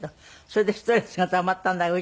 それでストレスがたまったんだか